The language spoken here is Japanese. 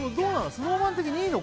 ＳｎｏｗＭａｎ的にいいの？